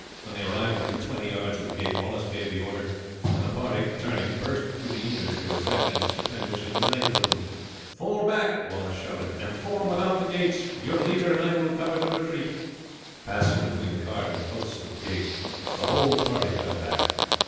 When they arrived within twenty yards of the gate, Wallace gave the order, and the party turning burst through the English who were attacking its defenders and united with them. "Fall back!" Wallace shouted, "and form without the gates. Your leader and I will cover the retreat." Passing between the cart and the posts of the gates, the whole party fell back.